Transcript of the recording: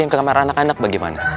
yang ke kamar anak anak bagaimana